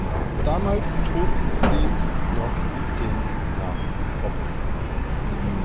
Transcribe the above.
Damals trug sie noch den Namen Hope.